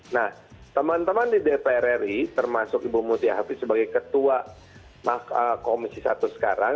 nah teman teman di dpr ri termasuk ibu mutia hafiz sebagai ketua komisi satu sekarang